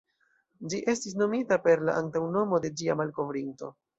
Ĝi estis nomita per la antaŭnomo de ĝia malkovrinto.